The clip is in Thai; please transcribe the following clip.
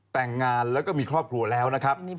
แต่งงานแล้วก็มีครอบครัวแล้วนะครับ